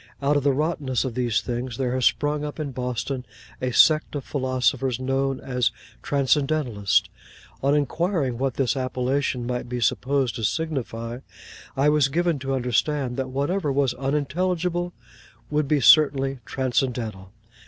Out of the rottenness of these things, there has sprung up in Boston a sect of philosophers known as Transcendentalists. On inquiring what this appellation might be supposed to signify, I was given to understand that whatever was unintelligible would be certainly transcendental.